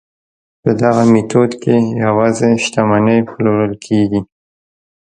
په دغه میتود کې یوازې شتمنۍ پلورل کیږي.